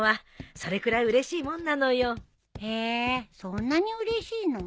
そんなにうれしいの。